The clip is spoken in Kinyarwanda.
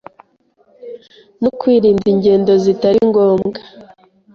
no kwirinda ingendo zitari ngombwa